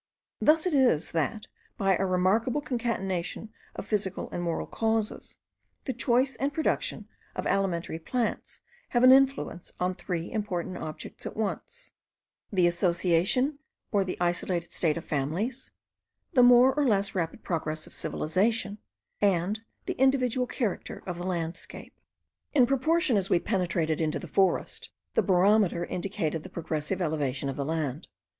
Thus it is that, by a remarkable concatenation of physical and moral causes, the choice and production of alimentary plants have an influence on three important objects at once; the association or the isolated state of families, the more or less rapid progress of civilization, and the individual character of the landscape. In proportion as we penetrated into the forest, the barometer indicated the progressive elevation of the land.